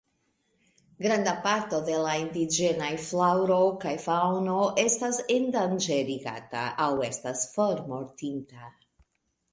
Granda parto de la indiĝenaj flaŭro kaj faŭno estas endanĝerigata aŭ estas formortinta.